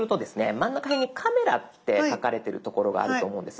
真ん中辺に「カメラ」って書かれてる所があると思うんです。